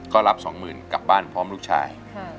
ก็รับสองหมื่นกลับบ้านพร้อมลูกชาย